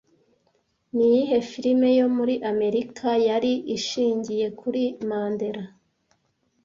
Ni iyihe filime yo muri Amerika yari ishingiye kuri mandela